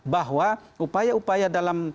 bahwa upaya upaya dalam